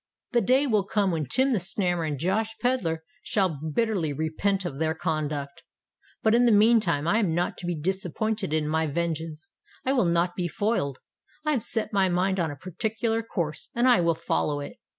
The day will come when Tim the Snammer and Josh Pedler shall bitterly repent of their conduct! But in the meantime I am not to be disappointed in my vengeance—I will not be foiled: I have set my mind on a particular course—and I will follow it."